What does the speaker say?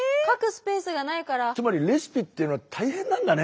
つまりレシピっていうのは大変なんだね。